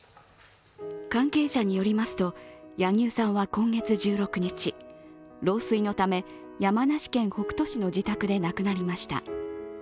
関係者によりますと柳生さんは今月１６日、老衰のため山梨県北杜市の自宅で亡くなりました。